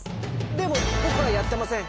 でも僕はやってません。